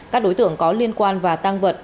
các đối tượng có liên quan và tang vật